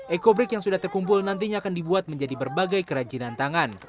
ekobrik yang sudah terkumpul nantinya akan dibuat menjadi berbagai kerajinan tangan